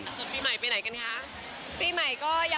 ส่วนปีใหม่ไปไหนกันคะ